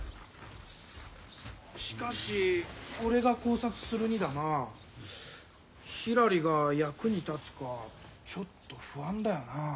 しかし俺が考察するにだなひらりが役に立つかちょっと不安だよな。